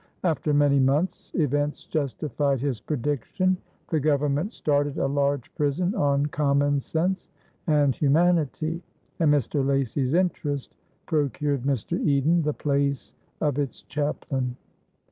After many months events justified his prediction. The government started a large prison on common sense and humanity, and Mr. Lacy's interest procured Mr. Eden the place of its chaplain.